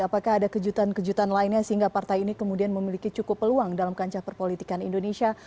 apakah ada kejutan kejutan lainnya sehingga partai ini kemudian memiliki cukup peluang dalam kancah perpolitikan indonesia